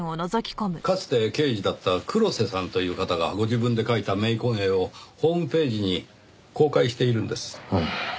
かつて刑事だった黒瀬さんという方がご自分で描いた冥婚絵をホームページに公開しているんです。